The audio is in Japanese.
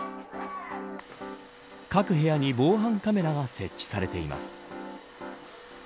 各部屋に防犯カメラが設置されています。